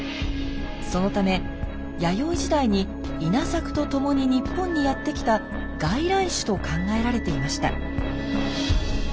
そのため弥生時代に稲作とともに日本にやってきた外来種と考えられていました。